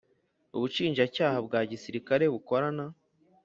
Ubushinjacyaha bwa Gisirikare bukorana